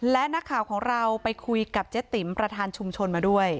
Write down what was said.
และนักข่าวของเราไปคุยกับเจ๊ติ๋มประธานชุมชนมาด้วย